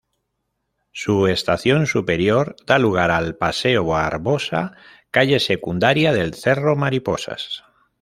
Su estación superior da lugar al paseo Barbosa, calle secundaria del cerro Mariposas.